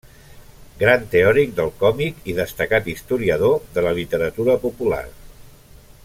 Gran teòric del còmic i destacat historiador de la literatura popular.